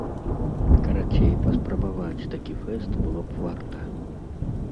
Карацей, паспрабаваць такі фэст было б варта!